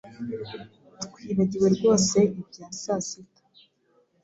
Twibagiwe rwose ibya sasita.